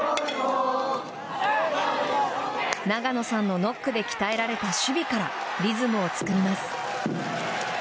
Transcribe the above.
永野さんのノックで鍛えられた守備から、リズムを作ります。